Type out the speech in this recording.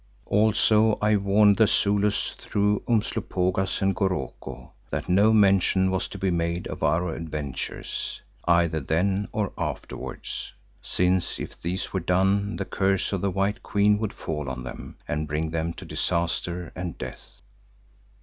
Also I warned the Zulus through Umslopogaas and Goroko, that no mention was to be made of our adventures, either then or afterwards, since if this were done the curse of the White Queen would fall on them and bring them to disaster and death.